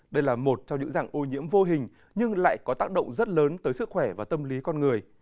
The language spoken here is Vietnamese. đây là một trong những dạng ô nhiễm vô hình nhưng lại có tác động rất lớn tới sức khỏe và tâm lý con người